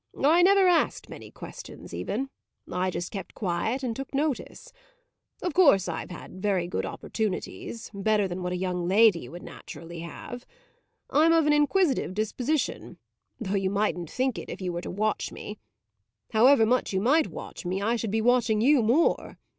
I never asked many questions even; I just kept quiet and took notice. Of course I've had very good opportunities better than what a young lady would naturally have. I'm of an inquisitive disposition, though you mightn't think it if you were to watch me: however much you might watch me I should be watching you more.